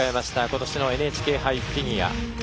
今年のＮＨＫ杯フィギュア。